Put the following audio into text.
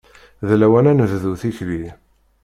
D lawan ad nebdu tikli.